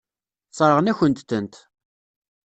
Sseṛɣen-akent-tent.